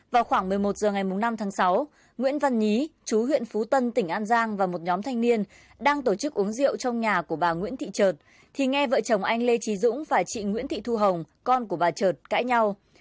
vào khoảng một mươi một h ngày năm tháng sáu nguyễn văn nhí chú huyện phú tân tỉnh an giang và một nhóm thanh niên đang tổ chức uống rượu trong nhà của bà nguyễn thị trượt thì nghe vợ chồng anh lê trí dũng và chị nguyễn thị thu hồng con của bà trượt cãi nhau